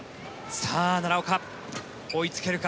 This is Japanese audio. さあ、奈良岡追いつけるか。